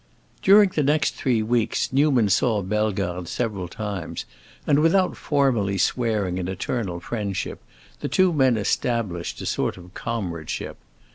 During the next three weeks Newman saw Bellegarde several times, and without formally swearing an eternal friendship the two men established a sort of comradeship.